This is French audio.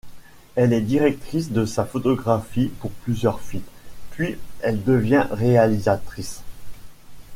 Elle est directrice de la photographie pour plusieurs films, puis elle devient réalisatrice.